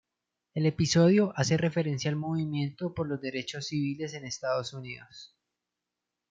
El episodio hace referencia al movimiento por los derechos civiles en Estados Unidos.